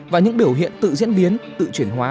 và những biểu hiện tự diễn biến tự chuyển hóa